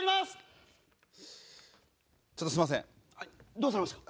どうされました？